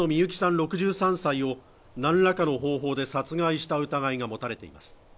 ６３歳をなんらかの方法で殺害した疑いが持たれています